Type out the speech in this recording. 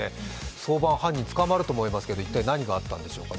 早晩、犯人は捕まると思いますけど何があったんでしょうかね。